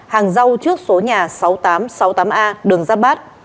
hàng rau trước số nhà sáu mươi tám sáu mươi tám a đường giáp bát